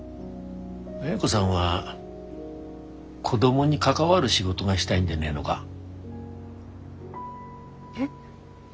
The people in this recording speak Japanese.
亜哉子さんは子供に関わる仕事がしたいんでねえのが？え？